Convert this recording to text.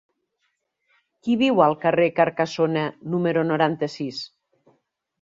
Qui viu al carrer de Carcassona número noranta-sis?